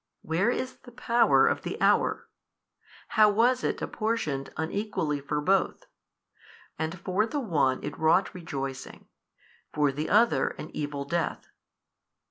Where is the power of the hour? how was it apportioned unequally for both? and for the one it wrought rejoicing, for the other an evil death?